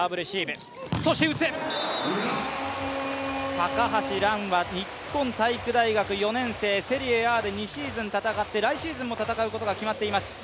高橋藍は日本体育大学４年生セリエＡで２シーズン戦って来シーズンも戦うことが決まっています。